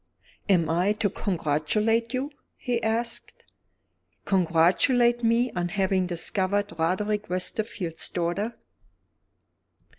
"Am I to congratulate you?" he asked. "Congratulate me on having discovered Roderick Westerfield's daughter."